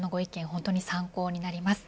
本当に参考になります。